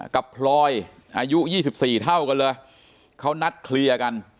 กับพลอยอายุยี่สิบสี่เท่ากันเลยเค้านัดเคลียร์กัน